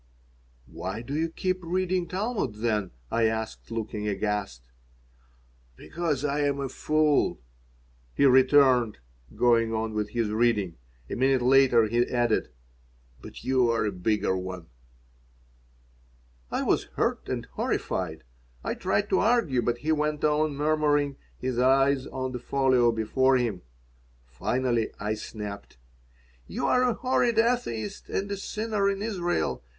"Why do you keep reading Talmud, then?" I asked, looking aghast "Because I am a fool," he returned, going on with his reading. A minute later he added, "But you are a bigger one." I was hurt and horrified. I tried to argue, but he went on murmuring, his eyes on the folio before him Finally I snapped: "You are a horrid atheist and a sinner in Israel.